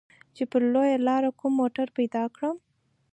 چې پر لويه لاره کوم موټر پيدا کړم.